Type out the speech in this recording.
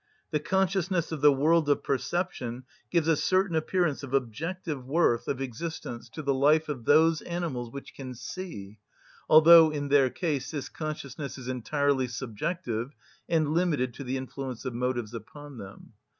The consciousness of the world of perception gives a certain appearance of objective worth of existence to the life of those animals which can see, although in their case this consciousness is entirely subjective and limited to the influence of motives upon them.